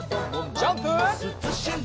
ジャンプ！